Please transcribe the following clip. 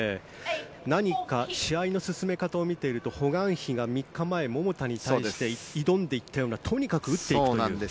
何か試合の進め方を見ているとホ・グァンヒが３日前、桃田に対して挑んでいったようなとにかく打っていくという。